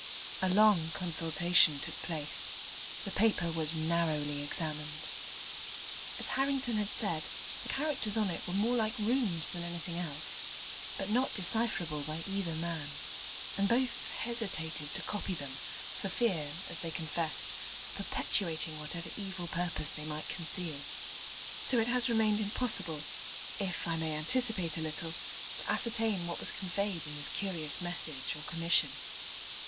A long consultation took place. The paper was narrowly examined. As Harrington had said, the characters on it were more like Runes than anything else, but not decipherable by either man, and both hesitated to copy them, for fear, as they confessed, of perpetuating whatever evil purpose they might conceal. So it has remained impossible (if I may anticipate a little) to ascertain what was conveyed in this curious message or commission.